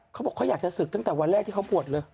เขาบอกเขาอยากจะศึกตั้งแต่วันแรกที่เขาบวชเลย